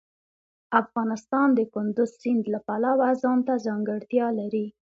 افغانستان د کندز سیند له پلوه ځانته ځانګړتیا لري.